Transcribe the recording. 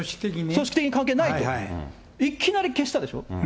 組織的に関係ないと、いきなり消したでしょ。